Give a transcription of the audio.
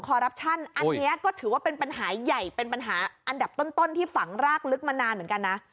รับชันอันนี้ก็ถือว่าเป็นปัญหาใหญ่เป็นปัญหาอันดับต้นที่ฝังรากลึกมานานเหมือนกันนะ